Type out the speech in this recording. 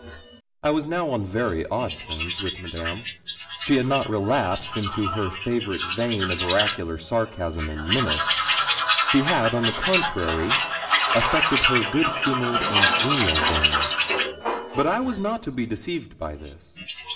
I was now on very odd terms with Madame. She had not relapsed into her favourite vein of oracular sarcasm and menace; she had, on the contrary, affected her good humoured and genial vein. But I was not to be deceived by this.